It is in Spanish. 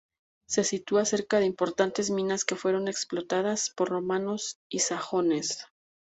Se sitúa cerca de importantes minas que fueron explotadas por romanos y sajones.